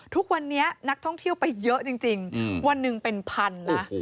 ทุกวันนี้นักท่องเที่ยวไปเยอะจริงวันหนึ่งเป็นพันนะ